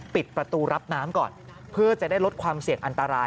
ปิดประตูรับน้ำก่อนเพื่อจะได้ลดความเสี่ยงอันตราย